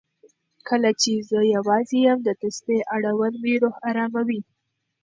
کله چې زه یوازې یم، د تسبېح اړول مې روح اراموي.